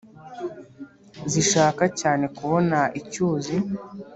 zishaka cyane kubona icyuzi